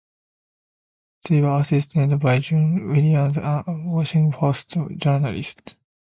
They were assisted by Juan Williams, a "Washington Post" journalist.